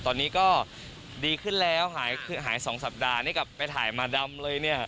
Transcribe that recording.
ตอนนี้ก็ดีขึ้นแล้วหายคือหาย๒สัปดาห์นี่กลับไปถ่ายมาดำเลยเนี่ย